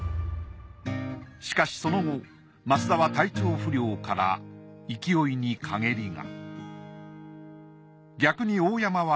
しかしその後升田は体調不良から勢いにかげりが。